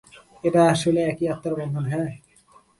এটা আসলে একই আত্মার বন্ধন -হ্যাঁ।